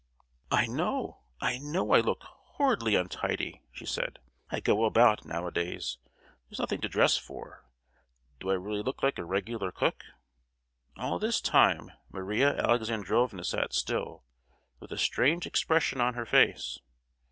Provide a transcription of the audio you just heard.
"I know, I know I look horridly untidy!" she said. "I go about anyhow, nowadays! There's nothing to dress for. Do I really look like a regular cook?" All this time Maria Alexandrovna sat still, with a strange expression on her face.